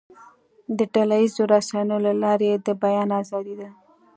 د ډله ییزو رسنیو له لارې د بیان آزادي ده.